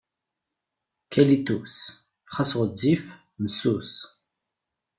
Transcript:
Kalitus, xas ɣezzif, messus.